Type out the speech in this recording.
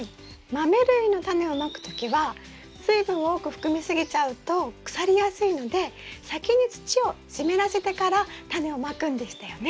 マメ類のタネをまく時は水分を多く含み過ぎちゃうと腐りやすいので先に土を湿らせてからタネをまくんでしたよね？